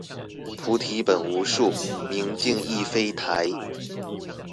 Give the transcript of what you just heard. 菩提本無樹，明鏡亦非台